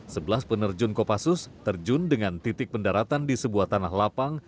sebelas penerjun kopassus terjun dengan titik pendaratan di sebuah tanah lapang